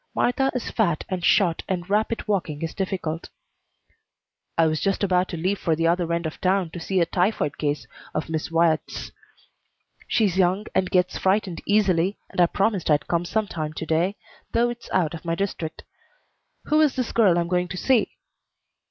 Martha is fat and short and rapid walking is difficult. "I was just about to leave for the other end of town to see a typhoid case of Miss Wyatt's. She's young and gets frightened easily, and I promised I'd come some time to day, though it's out of my district. Who is this girl I'm going to see?"